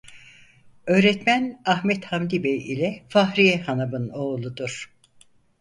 Öğretmen Ahmet Hamdi Bey ile Fahriye Hanım'ın oğludur.